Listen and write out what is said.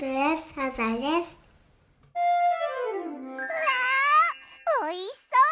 うわおいしそう！